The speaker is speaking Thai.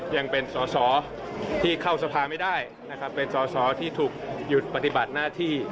ยังเป็นสอสอที่เข้าสภาไม่ได้นะครับเป็นสอสอที่ถูกหยุดปฏิบัติหน้าที่